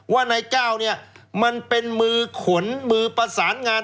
ว่านายก้าวเนี่ยมันเป็นมือขนมือประสานงาน